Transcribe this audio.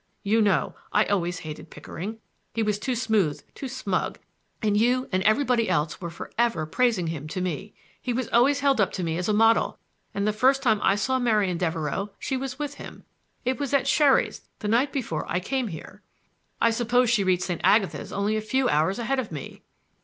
You know I always hated Pickering,—he was too smooth, too smug, and you and everybody else were for ever praising him to me. He was always held up to me as a model; and the first time I saw Marian Devereux she was with him—it was at Sherry's the night before I came here. I suppose she reached St. Agatha's only a few hours ahead of me."